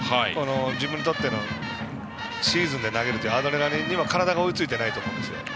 自分にとってのシーズンで投げるというアドレナリンに今体が追いついていないと思うんですよ。